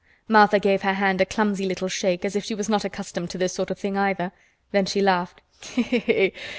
Martha gave her hand a clumsy little shake, as if she was not accustomed to this sort of thing either. Then she laughed.